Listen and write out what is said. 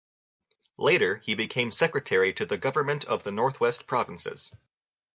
Later he became secretary to the Government of the North-West Provinces.